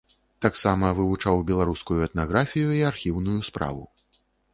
Таксама вывучаў беларускую этнаграфію і архіўную справу.